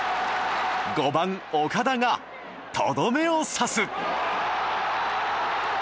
５番岡田がとどめを刺す！